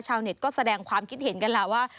ชาวเน็ตก็แสดงความคิดเห็นกันล่ะว่า